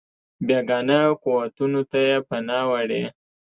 بېګانه قوتونو ته یې پناه وړې.